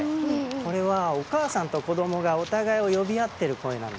これはお母さんと子どもがお互いを呼び合ってる声なんです。